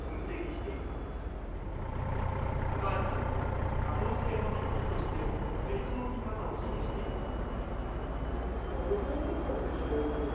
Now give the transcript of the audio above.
しかし、高橋さんは可能性の１つとして別の見方を示しています。